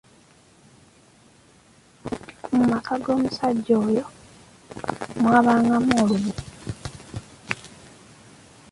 Mu maka g’omusajja oyo mwabangamu olubugo.